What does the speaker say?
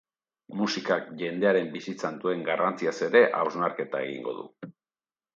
Musikak jendearen bizitzan duen garrantziaz ere hausnarketa egingo du.